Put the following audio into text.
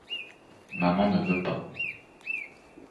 Maman ne veut pas.